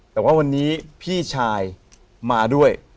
แต่ว่าวันนี้พี่ชายมาด้วย